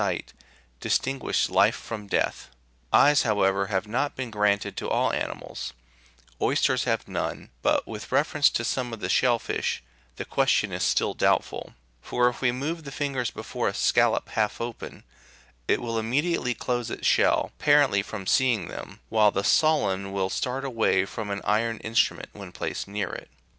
sight, distinguish life from death. Eyes, however, have not been granted to all animals ; oysters have none, but, with reference to some of the shell fish, the question is still doubtful ; for if we move the fingers before a scallop half open, it will immediately close its shell, apparently from seeing them, while the solen88 will start away from an iron instrument when placed near it.